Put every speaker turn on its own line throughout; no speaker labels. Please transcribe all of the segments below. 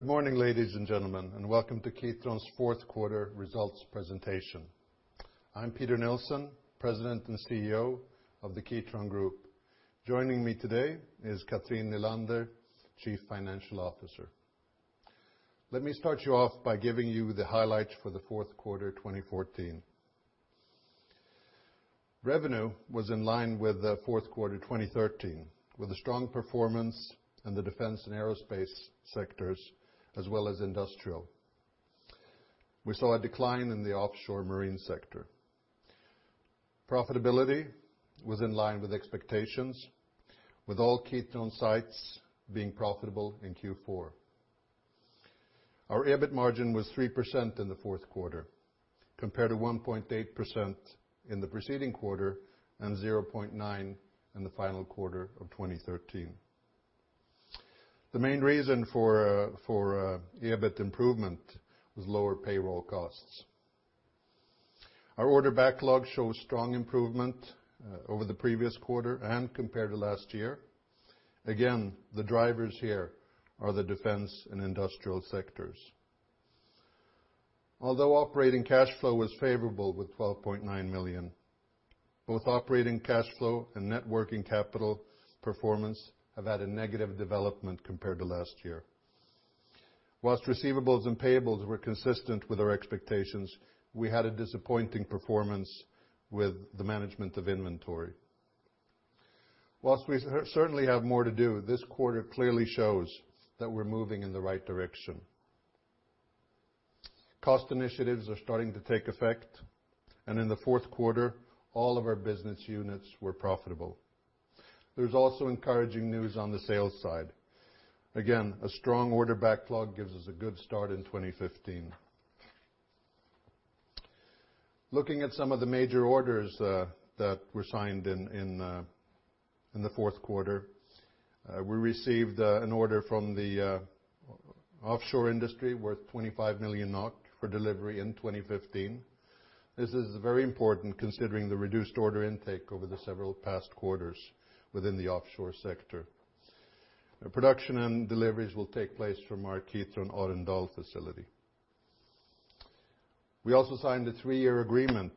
Good morning, ladies and gentlemen, welcome to Kitron's Q4 results presentation. I'm Peter Nilsson, President and CEO of the Kitron Group. Joining me today is Cathrin Nylander, Chief Financial Officer. Let me start you off by giving you the highlights for the Q4 2014. Revenue was in line with Q4 2013, with a strong performance in the Defence/Aerospace sectors, as well as industrial. We saw a decline in the Offshore Marine sector. Profitability was in line with expectations, with all Kitron sites being profitable in Q4. Our EBIT margin was 3% in the Q4, compared to 1.8% in the preceding quarter and 0.9% in the final quarter of 2013. The main reason for EBIT improvement was lower payroll costs. Our order backlog shows strong improvement over the previous quarter and compared to last year. The drivers here are the defence and industrial sectors. Operating cash flow was favorable with 12.9 million, both operating cash flow and net working capital performance have had a negative development compared to last year. Receivables and payables were consistent with our expectations, we had a disappointing performance with the management of inventory. We certainly have more to do, this quarter clearly shows that we're moving in the right direction. Cost initiatives are starting to take effect, in the Q4, all of our business units were profitable. There's also encouraging news on the sales side. A strong order backlog gives us a good start in 2015. Looking at some of the major orders that were signed in the Q4, we received an order from the offshore industry worth 25 million for delivery in 2015. This is very important considering the reduced order intake over the several past quarters within the offshore sector. Our production and deliveries will take place from our Kitron Arendal facility. We also signed a three-year agreement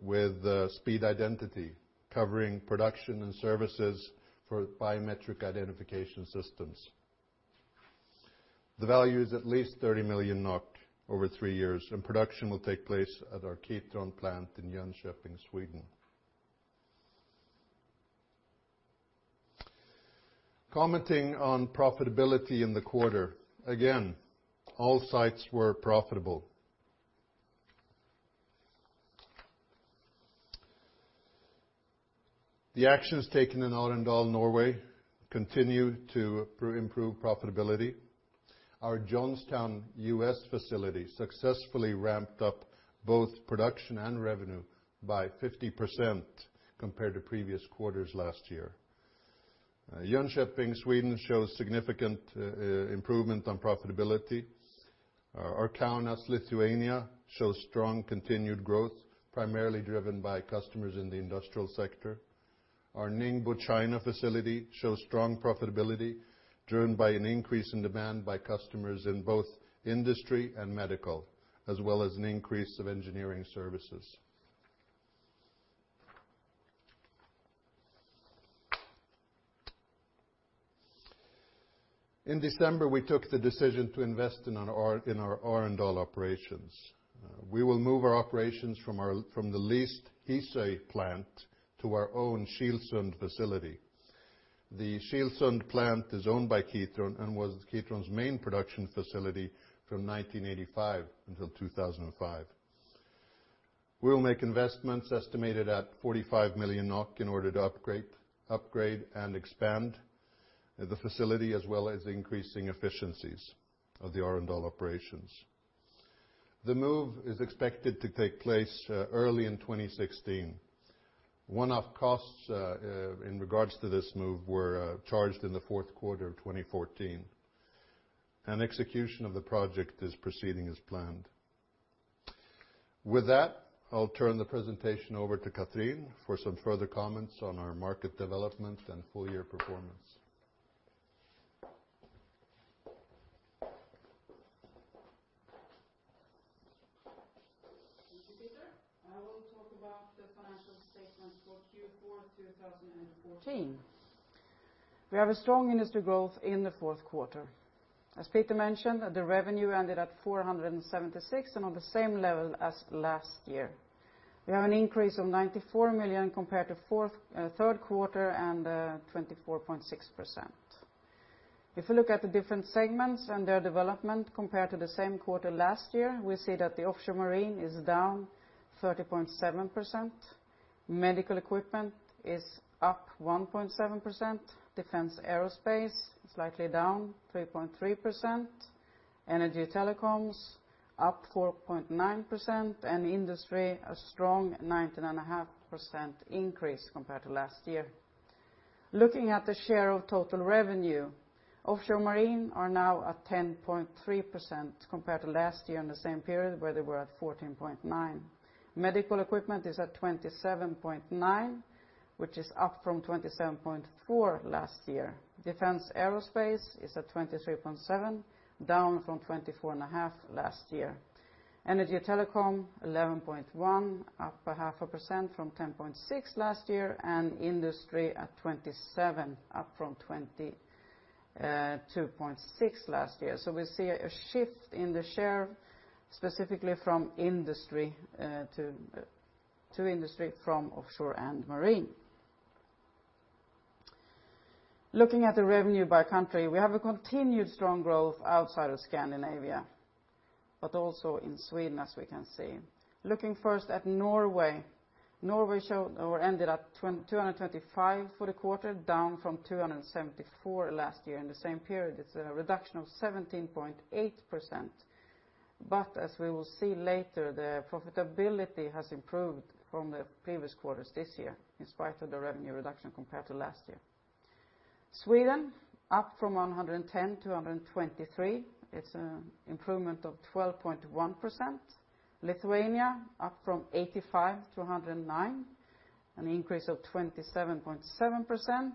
with Speed Identity, covering production and services for biometric identification systems. The value is at least 30 million over three years, and production will take place at our Kitron plant in Jönköping, Sweden. Commenting on profitability in the quarter, again, all sites were profitable. The actions taken in Arendal, Norway continued to improve profitability. Our Johnstown, U.S. facility successfully ramped up both production and revenue by 50% compared to previous quarters last year. Jönköping, Sweden shows significant improvement on profitability. Our Kaunas, Lithuania shows strong continued growth, primarily driven by customers in the industrial sector. Our Ningbo, China facility shows strong profitability driven by an increase in demand by customers in both industry and medical, as well as an increase of engineering services. In December, we took the decision to invest in our Arendal operations. We will move our operations from our, from the leased Hisøy plant to our own Kilsund facility. The Kilsund plant is owned by Kitron and was Kitron's main production facility from 1985 until 2005. We will make investments estimated at 45 million NOK in order to upgrade and expand the facility, as well as increasing efficiencies of the Arendal operations. The move is expected to take place early in 2016. One-off costs in regards to this move were charged in the Q4 of 2014. Execution of the project is proceeding as planned. With that, I'll turn the presentation over to Cathrin for some further comments on our market development and full year performance.
Thank you, Peter. I will talk about the financial statements for Q4 2014. We have a strong industry growth in the Q4. As Peter mentioned, the revenue ended at 476 million on the same level as last year. We have an increase of 94 million compared to Q3, 24.6%. If you look at the different segments and their development compared to the same quarter last year, we see that the Offshore Marine is down 30.7%, Medical equipment is up 1.7%, Defence/Aerospace slightly down 3.3%, Energy/Telecoms up 4.9%, Industry a strong 19.5% increase compared to last year. Looking at the share of total revenue, Offshore Marine are now at 10.3% compared to last year in the same period where they were at 14.9%. Medical equipment is at 27.9%, which is up from 27.4% last year. Defence/Aerospace is at 23.7%, down from 24.5% last year. Energy/Telecoms, 11.1%, up 0.5% from 10.6% last year, and industry at 27%, up from 20%, 22.6% last year. We see a shift in the share, specifically from industry, to industry from Offshore Marine. Looking at the revenue by country, we have a continued strong growth outside of Scandinavia, but also in Sweden, as we can see. Looking first at Norway. Norway ended at 225 for the quarter, down from 274 last year in the same period. It's a reduction of 17.8%. As we will see later, the profitability has improved from the previous quarters this year in spite of the revenue reduction compared to last year. Sweden, up from 110 million to 123 million. It's an improvement of 12.1%. Lithuania, up from 85 million to 109 million, an increase of 27.7%.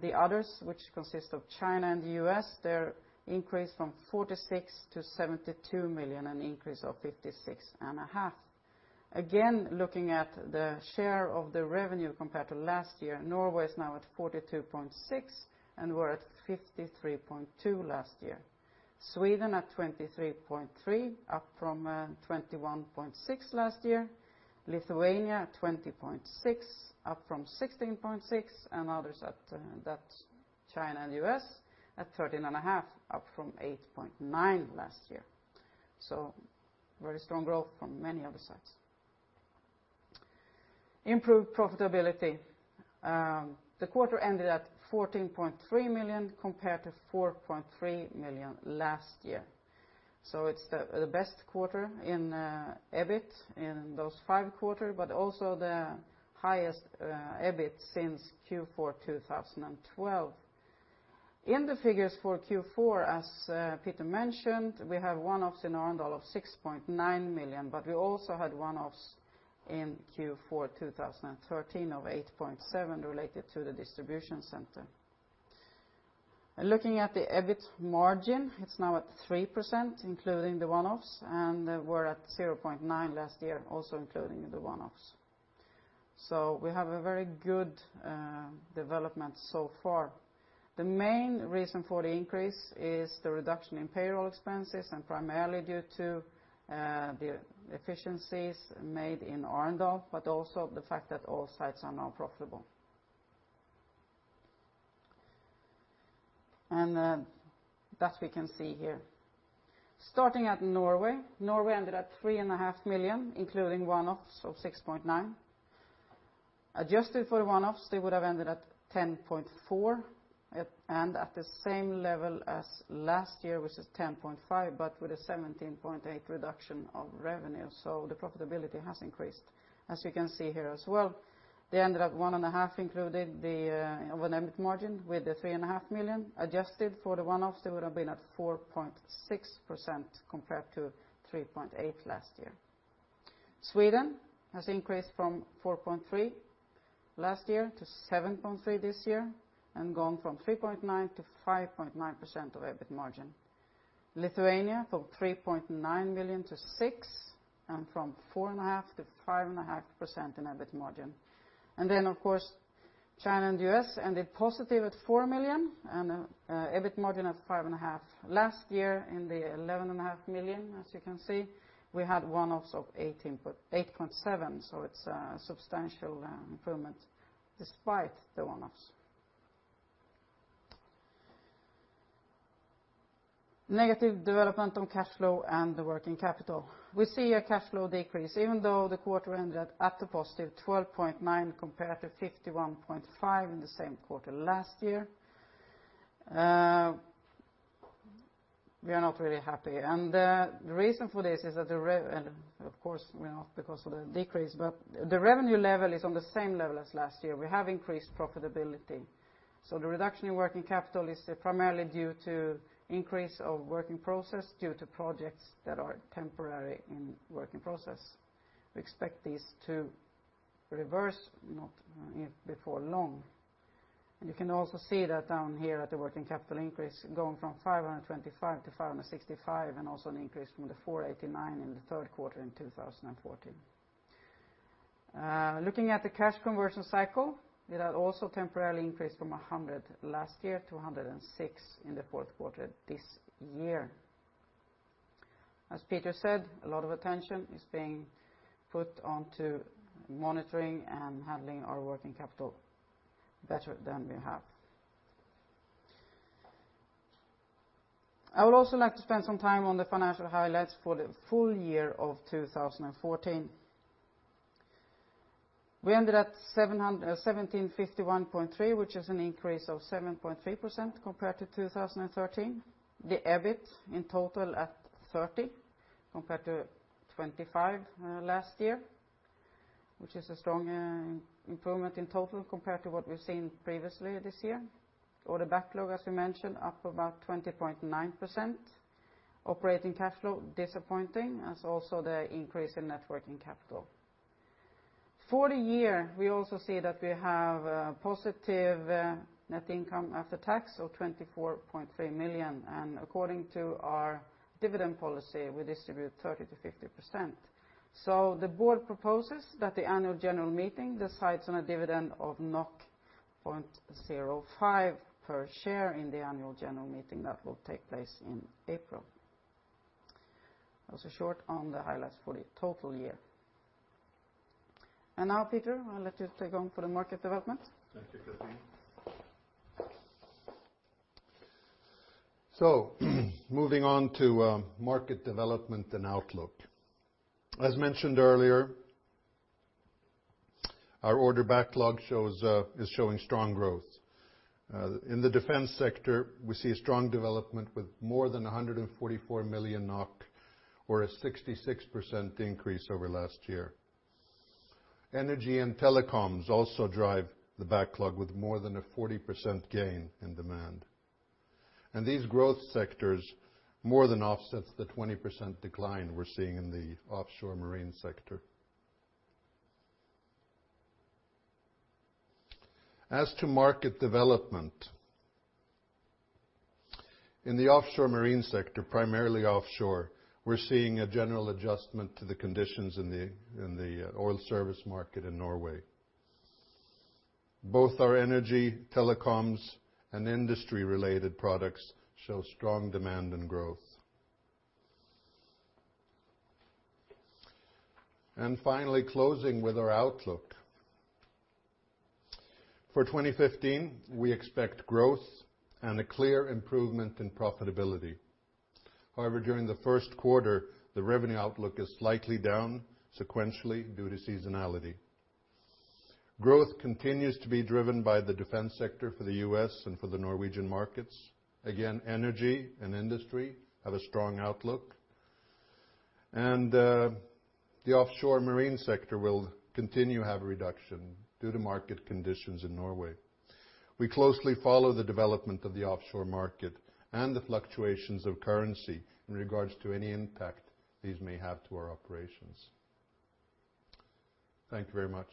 The others, which consist of China and U.S., they're increase from 46 million to 72 million, an increase of 56.5%. Again, looking at the share of the revenue compared to last year, Norway is now at 42.6%, and were at 53.2% last year. Sweden at 23.3%, up from 21.6% last year. Lithuania, 20.6%, up from 16.6%, and others at, that's China and U.S., at 13.5%, up from 8.9% last year. Very strong growth from many other sides. Improved profitability. The quarter ended at 14.3 million compared to 4.3 million last year. It's the best quarter in EBIT in those five quarters, but also the highest EBIT since Q4 2012. In the figures for Q4, as Peter mentioned, we have one-offs in Arendal of 6.9 million, but we also had one-offs in Q4 2013 of 8.7 million related to the distribution center. Looking at the EBIT margin, it's now at 3%, including the one-offs, and we're at 0.9% last year, also including the one-offs. We have a very good development so far. The main reason for the increase is the reduction in payroll expenses and primarily due to the efficiencies made in Arendal, but also the fact that all sites are now profitable. That we can see here. Starting at Norway. Norway ended at 3.5 million, including one-offs of 6.9 million. Adjusted for the one-offs, they would have ended at 10.4 million, at the same level as last year, which is 10.5 million, with a 17.8% reduction of revenue. The profitability has increased. As you can see here as well, they ended at 1.5%, including the EBIT margin with the 3.5 million. Adjusted for the one-offs, they would have been at 4.6% compared to 3.8% last year. Sweden has increased from 4.3 million last year to 7.3 million this year and gone from 3.9% to 5.9% of EBIT margin. Lithuania from 3.9 million to 6 million and from 4,5%-5.5% In EBIT margin. Of course, China and U.S. ended positive at 4 million and EBIT margin at 5.5%. Last year, in the 11.5 million, as you can see, we had one-offs of 18, 8.7, so it's a substantial improvement despite the one-offs. Negative development on cash flow and the working capital. We see a cash flow decrease even though the quarter ended at a positive 12.9 compared to 51.5 in the same quarter last year. We are not really happy. The reason for this is that and of course, we're not because of the decrease, but the revenue level is on the same level as last year. We have increased profitability. The reduction in working capital is primarily due to increase of work in process due to projects that are temporary in work in process. We expect these to reverse, not before long. You can also see that down here at the working capital increase going from 525-565 and also an increase from 489 in the Q3 in 2014. Looking at the cash conversion cycle, it had also temporarily increased from 100 last year to 106 in the Q4 this year. As Peter said, a lot of attention is being put onto monitoring and handling our working capital better than we have. I would also like to spend some time on the financial highlights for the full year of 2014. We ended at NOK 700, 1,751.3, which is an increase of 7.3% compared to 2013. The EBIT in total at 30 compared to 25 last year, which is a strong improvement in total compared to what we've seen previously this year. Order backlog, as we mentioned, up about 20.9%. Operating cash flow, disappointing as also the increase in net working capital. For the year, we also see that we have positive net income after tax of 24.3 million. According to our dividend policy, we distribute 30%-50%. The board proposes that the annual general meeting decides on a dividend of 0.05 per share in the annual general meeting that will take place in April. That was short on the highlights for the total year. Now, Peter, I'll let you take on for the market development.
Thank you, Cathrin. Moving on to market development and outlook. As mentioned earlier, our order backlog is showing strong growth. In the defense sector, we see a strong development with more than 144 million NOK, or a 66% increase over last year. Energy and telecoms also drive the backlog with more than a 40% gain in demand. These growth sectors more than offsets the 20% decline we're seeing in the offshore marine sector. As to market development, in the offshore marine sector, primarily offshore, we're seeing a general adjustment to the conditions in the oil service market in Norway. Both our energy, telecoms, and industry-related products show strong demand and growth. Finally, closing with our outlook. For 2015, we expect growth and a clear improvement in profitability. However, during the Q1, the revenue outlook is slightly down sequentially due to seasonality. Growth continues to be driven by the Defence sector for the U.S. and for the Norwegian markets. Again, Energy and industry have a strong outlook. The Offshore Marine sector will continue have a reduction due to market conditions in Norway. We closely follow the development of the Offshore market and the fluctuations of currency in regards to any impact these may have to our operations. Thank you very much.